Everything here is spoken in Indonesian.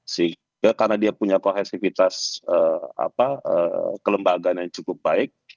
sehingga karena dia punya kohesivitas kelembagaan yang cukup baik